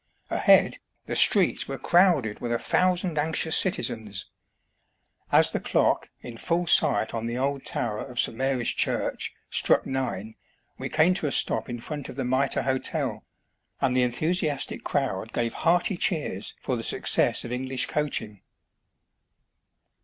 Ahead, the streets were crowded with a thousand anxious citi zens. As the clock, in full sight on the old tower of St. Mary's Church, struck nine, we came to a stop in front of the Mitre Hotel, and the enthusiastic crowd gave hearty cheers for the success of English coaching.